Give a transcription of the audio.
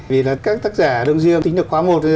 vì là các tác giả đông dương tính được quá một